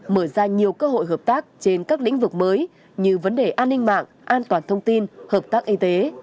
mở ra nhiều cơ hội hợp tác trên các lĩnh vực mới như vấn đề an ninh mạng an toàn thông tin hợp tác y tế